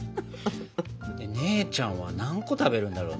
姉ちゃんは何個食べるんだろうね。